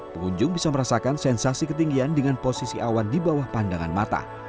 pengunjung bisa merasakan sensasi ketinggian dengan posisi awan di bawah pandangan mata